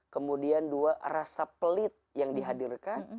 kemudian dua rasa pelit yang dihadirkan